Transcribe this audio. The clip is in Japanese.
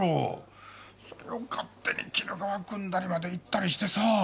それを勝手に鬼怒川くんだりまで行ったりしてさ。